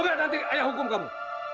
kalau gak nanti ayah hukum kamu